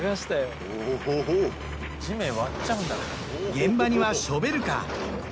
現場にはショベルカー。